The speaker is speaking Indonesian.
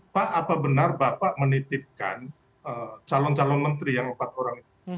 pak apa benar bapak menitipkan calon calon menteri yang empat orang itu